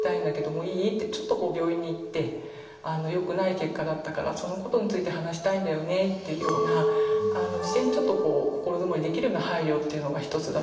ちょっと病院に行ってよくない結果だったからそのことについて話したいんだよね」っていうような事前にちょっと心づもりできるような配慮っていうのが一つだと思いますね。